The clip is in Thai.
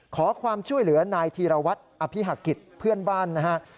ขอความช่วยเหลือนายธีรวัตรอภิหกิจเพื่อนบ้านนะฮะ